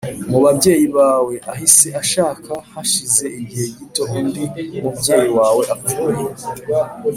mu babyeyi bawe ahise ashaka hashize igihe gito undi mubyeyi wawe apfuye